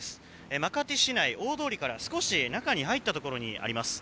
マカティ市内、大通りから少し中に入ったところにあります。